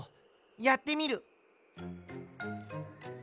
やってみる。